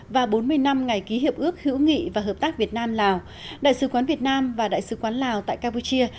và bốn mươi năm ngày ký hiệp ước hữu nghị và hợp tác việt nam lào đại sứ quán việt nam và đại sứ quán lào tại campuchia